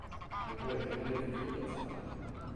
Men pojken hade inte tid att stanna.